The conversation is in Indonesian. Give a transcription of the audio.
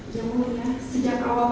yang mulia sejak awal